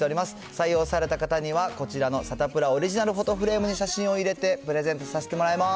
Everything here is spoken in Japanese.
採用された方にはこちらのサタプラオリジナルフォトフレームに写真を入れて、プレゼントさせてもらいます。